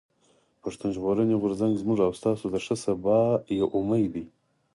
پښتون ژغورني غورځنګ زموږ او ستاسو د ښه سبا يو امېد دی.